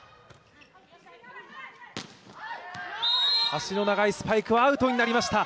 足の長いスパイクはアウトになりました。